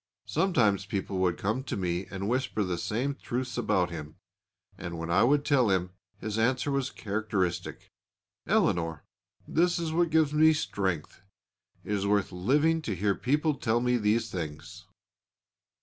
Sometimes people would come to me and whisper the same truths about him, and when I would tell him, his answer was characteristic: "Eleanor, this is what gives me strength. It is worth living to hear people tell me these things."